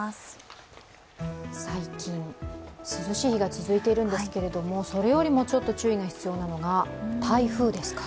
最近、涼しい日が続いているんですけれども、それよりもちょっと注意が必要なのが、台風ですか。